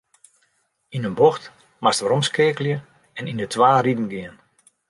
Yn in bocht moatst weromskeakelje en yn de twa riden gean.